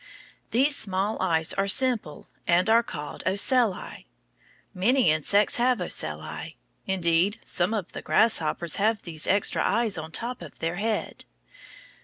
These small eyes are simple, and are called ocelli. Many insects have ocelli, indeed, some of the grasshoppers have these extra eyes on top of their head.